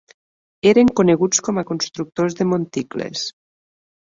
Eren coneguts com a constructors de monticles.